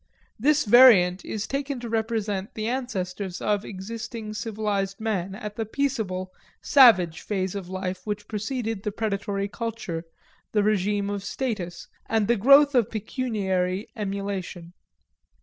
This variant is taken to represent the ancestors of existing civilized man at the peaceable, savage phase of life which preceded the predatory culture, the regime of status, and the growth of pecuniary emulation.